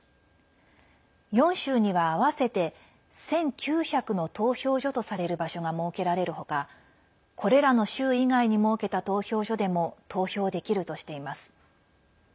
４州には、合わせて１９００の投票所とされる場所が設けられる他これらの州以外に設けた投票所でも投票できるとしています。